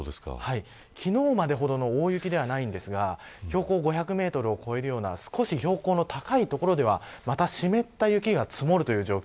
昨日までほどの大雪ではないんですが標高５００メートルを超えるような少し標高の高い所では湿った雪が積もるという状況。